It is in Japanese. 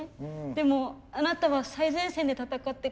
でもあなたは最前線で戦ってくれた。